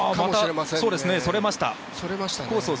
またそれました。